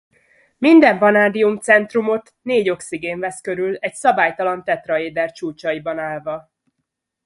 Minden vanádiumcentrumot négy oxigén vesz körül egy szabálytalan tetraéder csúcsaiban állva.